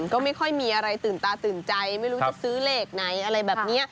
ก็ไม่ค่อยมีอะไรตื่นตาตื่นใจไม่รู้จะซื้อเลขไหนอะไรแบบนี้